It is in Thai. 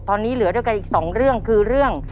ตอนนี้เหลือด้วยกันอีกสองเรื่องคือเรื่อง